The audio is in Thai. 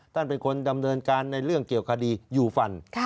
เป็นคนดำเนินการในเรื่องเกี่ยวคดียูฟัน